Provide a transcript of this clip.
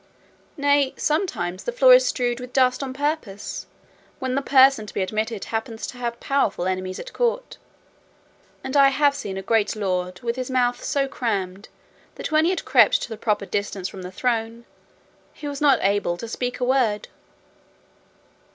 Nay, sometimes the floor is strewed with dust on purpose, when the person to be admitted happens to have powerful enemies at court; and I have seen a great lord with his mouth so crammed, that when he had crept to the proper distance from the throne; he was not able to speak a word.